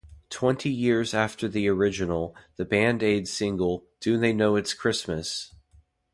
Twenty years after the original, the Band Aid single Do They Know It's Christmas?